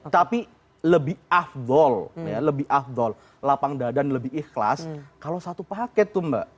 tapi lebih afdol lebih afdol lapang dadan lebih ikhlas kalau satu paket tuh mbak